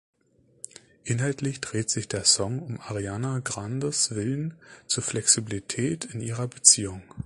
Inhaltlich dreht sich der Song um Ariana Grandes Willen zur Flexibilität in ihrer Beziehung.